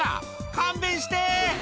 「勘弁して！」